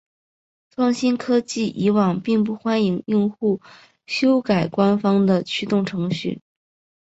创新科技以往并不欢迎用户修改官方的驱动程序。